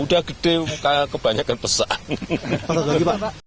tidak ada sudah gede kebanyakan pesan